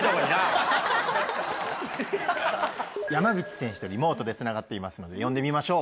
山口選手とリモートでつながっていますので呼んでみましょう。